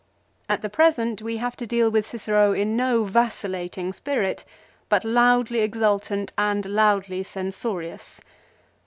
At the present we have to deal with Cicero in no vacil lating spirit ; but loudly exultant and loudly censorious.